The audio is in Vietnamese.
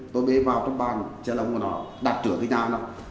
tôi bế vào trong bàn xe lông của nó đặt trưởng cái nhà nó